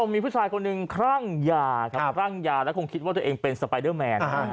มีผู้ชายคนหนึ่งคลั่งยาครับคลั่งยาและคงคิดว่าตัวเองเป็นสไปเดอร์แมน